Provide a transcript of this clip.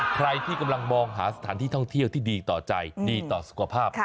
ใครที่กำลังมองหาสถานที่ท่องเที่ยวที่ดีต่อใจดีต่อสุขภาพ